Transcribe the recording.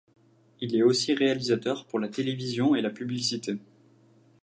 Il est aussi réalisateur pour la télévision et la publicité.